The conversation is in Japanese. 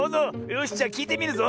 よしじゃあきいてみるぞ！